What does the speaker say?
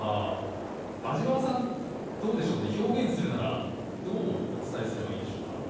安治川さん、表現するにはどうお伝えすればいいですか。